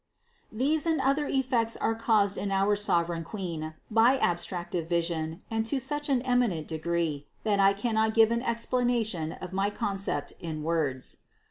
These and other effects were caused in our sover eign Queen by abstractive vision and to such an eminent degree, that I cannot give an explanation of my concept in words.